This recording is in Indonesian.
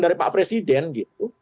dari pak presiden gitu